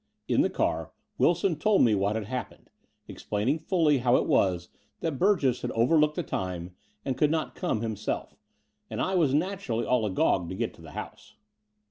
In the car Wilson told me what had happened, explaining fully how it was that Burgess had over looked the time and could not come himself: and I was naturally all agog to get to the house.